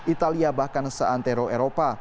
italia bahkan seantero eropa